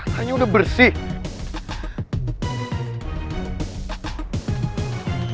katanya udah bersih